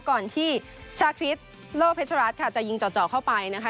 ก่อนที่ชาคริสโลเพชรัตน์ค่ะจะยิงเจาะเข้าไปนะคะ